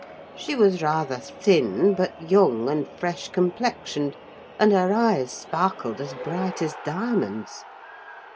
She was rather thin, but young, and fresh complexioned, and her eyes sparkled as bright as diamonds.